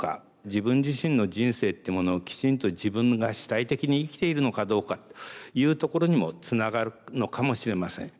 自分自身の人生ってものをきちんと自分が主体的に生きているのかどうかというところにもつながるのかもしれません。